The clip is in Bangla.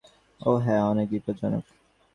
ও হ্যাঁ, অনেক বিপদজনক।